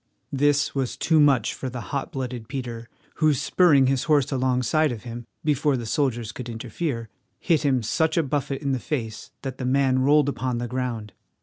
This was too much for the hot blooded Peter, who, spurring his horse alongside of him, before the soldiers could interfere, hit him such a buffet in the face that the man rolled upon the ground.